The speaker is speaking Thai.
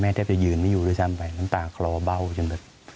แทบจะยืนไม่อยู่ด้วยซ้ำไปน้ำตาคลอเบ้าจนแบบ